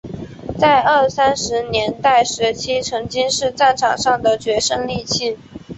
在二三十年代时期曾经是战场上的决胜利器。